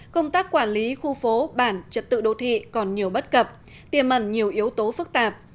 công tác quản lý khu phố bản trật tự đô thị còn nhiều bất cập tiềm ẩn nhiều yếu tố phức tạp